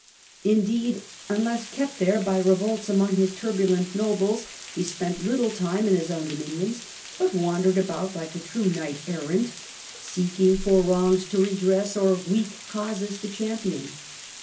Indeed, unless kept there by revolts amongst his turbulent nobles, he spent little time in his own dominions, but wandered about like a true knight errant, seeking for wrongs to redress or weak causes to champion.